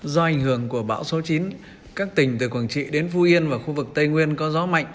do ảnh hưởng của bão số chín các tỉnh từ quảng trị đến phú yên và khu vực tây nguyên có gió mạnh